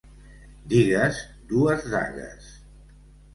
Digues dues dagues.